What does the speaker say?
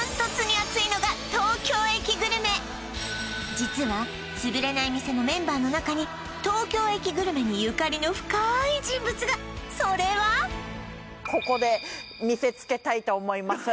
実はつぶれない店のメンバーの中に東京駅グルメにゆかりの深い人物がそれはと思います